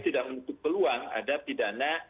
tidak menutup peluang ada pidana